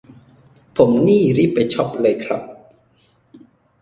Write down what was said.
ผมนี่รีบไปช็อปเลยครับ